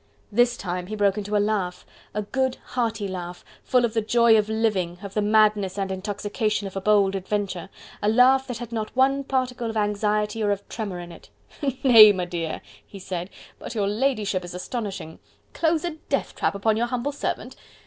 This time he broke into a laugh. A good, hearty laugh, full of the joy of living, of the madness and intoxication of a bold adventure, a laugh that had not one particle of anxiety or of tremor in it. "Nay! m'dear!" he said, "but your ladyship is astonishing.... Close a death trap upon your humble servant?...